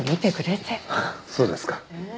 そうですか。